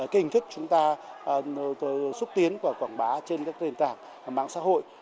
cái hình thức chúng ta xúc tiến của quảng bá trên các truyền tảng mạng xã hội